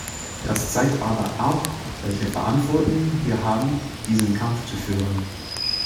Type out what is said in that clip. Das zeigt aber auch, welche Verantwortung wir haben, diesen Kampf zu führen.